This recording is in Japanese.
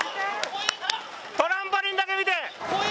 トランポリンだけ見て。